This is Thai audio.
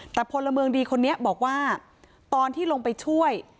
แต่พลเมืองดีคนนี้บอกว่าตอนที่ลงไปช่วย